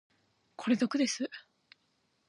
これ毒です。